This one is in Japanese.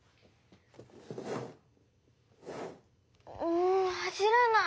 うん走らない。